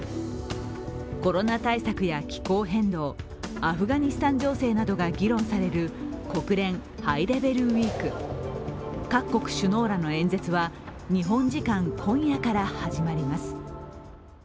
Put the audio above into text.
コロナ対策や気候変動、アフガニスタン情勢などが議論される国連ハイレベルウイーク、各国首脳らの演説は日本時間今夜から始まります。